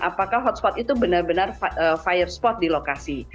apakah hotspot itu benar benar fire spot di lokasi